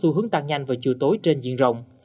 mưa có xu hướng tăng nhanh và chiều tối trên diện rộng